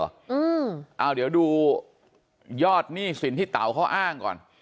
เอาเดี๋ยวดูยอดหนี้สินที่เต๋าเขาอ้างก่อน